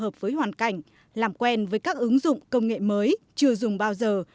họ phải phù hợp với hoàn cảnh làm quen với các ứng dụng công nghệ mới chưa dùng bao giờ